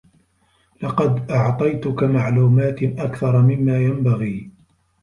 لقد أعطيتك معلومات أكثر مما ينبغي.